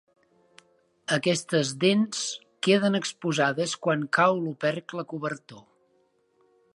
Aquestes dents queden exposades quan cau l'opercle cobertor.